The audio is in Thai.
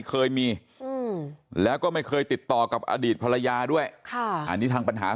เคยมีแล้วก็ไม่เคยติดต่อกับอดีตภรรยาด้วยอันนี้ทางปัญหา